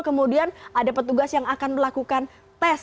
kemudian ada petugas yang akan melakukan tes